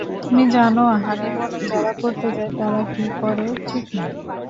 তুমি জানো হানিমুন যারা করতে যায় তারা কি করে, ঠিক না?